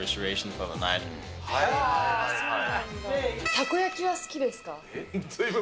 たこ焼きは好きですか？